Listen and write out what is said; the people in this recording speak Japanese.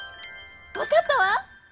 わかったわ！